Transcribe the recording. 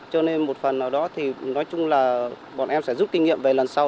cho nên một phần nào đó thì nói chung là bọn em sẽ giúp kinh nghiệm về lần sau